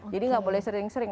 jadi gak boleh sering sering